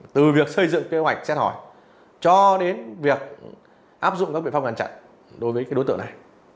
từ việc xây dựng kế hoạch xét hỏi cho đến việc áp dụng các biện pháp ngăn chặn đối với đối tượng này